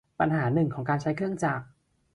ปัญหาหนึ่งของการใช้เครื่องจักร